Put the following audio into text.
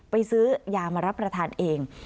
ซื้อยามารับประทานเอง